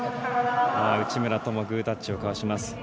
内村ともグータッチを交わします。